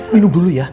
minum dulu ya